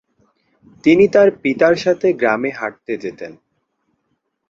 তিনি তার পিতার সাথে গ্রামে হাঁটতে যেতেন।